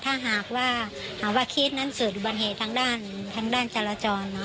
ถ้าหากว่าหาว่าเคสนั้นเสิร์ชบันเหตุทางด้านจราจร